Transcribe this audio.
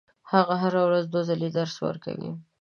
هغه هره ورځ دوه ځلې درس ورکوي.